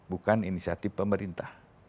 bukan inisiatif pemerintah